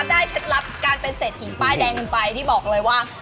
ได้เช็ดลับการเป็นเศรษฐีป้ายแดงหนึ่งไปที่บอกเลยว่า